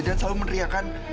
dan selalu meneriakan